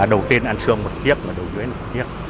đầu tiên anh xuân một chiếc đồ dưới một chiếc